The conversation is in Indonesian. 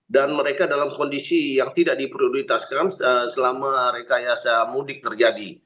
dan mereka dalam kondisi yang tidak diprioritaskan selama rekayasa mudik terjadi